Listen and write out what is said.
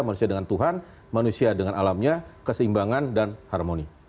manusia dengan tuhan manusia dengan alamnya keseimbangan dan harmoni